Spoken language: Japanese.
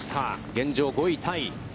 現状、５位タイ。